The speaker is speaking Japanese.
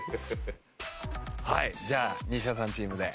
はいじゃあ西田さんチームで。